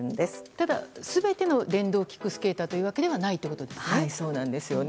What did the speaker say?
ただ、全ての電動キックスケーターというわけではそうなんですよね。